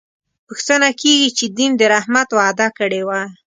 پوښتنه کېږي چې دین د رحمت وعده کړې وه.